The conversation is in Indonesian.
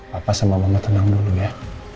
papa sama mama tenang dulu ya